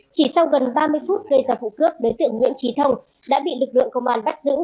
chỉ sau gần ba mươi phút gây ra vụ cướp đối tượng nguyễn trí thông đã bị lực lượng công an bắt giữ